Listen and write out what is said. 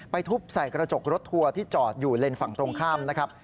ทุบใส่กระจกรถทัวร์ที่จอดอยู่เลนส์ฝั่งตรงข้ามนะครับ